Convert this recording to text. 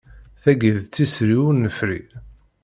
Tagi d tisri ur nefri.